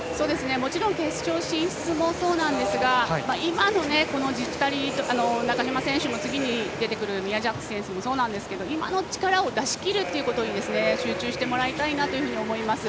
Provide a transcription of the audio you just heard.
もちろん決勝進出もそうなんですが中島選手の次に出てくる宮崎選手もそうなんですけど今の力を出しきるということに集中してもらいたいです。